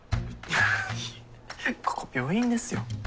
いやここ病院ですよ。